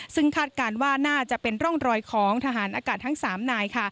ซึ่งคาดการณ์ว่าน่าจะเป็นร่องรอยของทหารอากาศทั้ง๓นาย